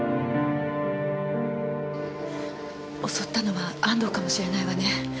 襲ったのは安藤かもしれないわね。